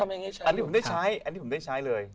อันนี้ผมได้ใช้อันนี้ผมได้ใช้เลย